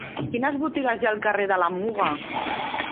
Quines botigues hi ha al carrer de la Muga?